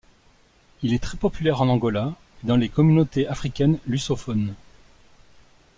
Il est très populaire en Angola et dans les communautés africaines lusophones.